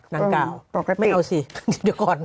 ดังกล่าวไม่เอาสิเดี๋ยวก่อน